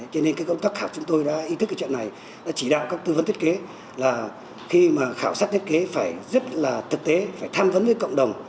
cho nên cái công tác khảo chúng tôi đã ý thức cái chuyện này đã chỉ đạo các tư vấn thiết kế là khi mà khảo sát thiết kế phải rất là thực tế phải tham vấn với cộng đồng